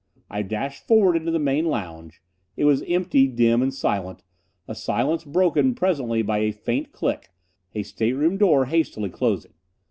I dashed forward into the main lounge. It was empty, dim and silent, a silence broken presently by a faint click a stateroom door hastily closing.